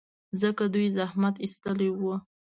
ځکه دوی زحمت ایستلی و.